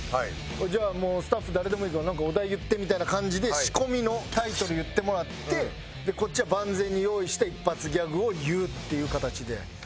「じゃあもうスタッフ誰でもいいからなんかお題言って」みたいな感じで仕込みのタイトル言ってもらってこっちは万全に用意して一発ギャグを言うっていう形で。